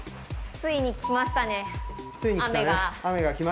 ついにきましたね雨が。